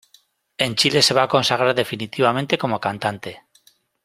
En Chile se va a consagrar definitivamente como cantante.